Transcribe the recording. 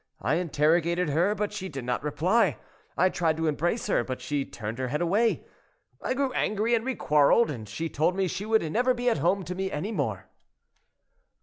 I interrogated her, but she did not reply. I tried to embrace her, and she turned her head away. I grew angry, and we quarreled: and she told me she should never be at home to me any more."'